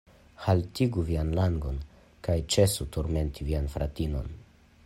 Haltigu vian langon kaj ĉesu turmenti vian fratinon.